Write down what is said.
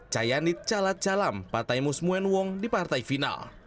cayanit calat calam pataymus muen wong di partai final